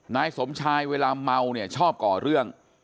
นายสมชายเวลาเมาเนี่ยชอบก่อเรื่อง